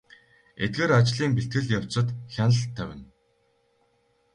Эдгээр ажлын бэлтгэл явцад хяналт тавина.